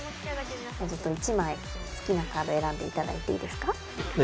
１枚好きなカードを選んでいただいていいですか？